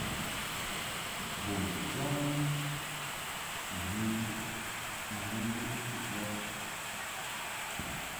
Bun njamɨ ma ni yuʼ ntɨʼ bə.